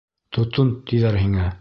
— Тотон, тиҙәр һиңә.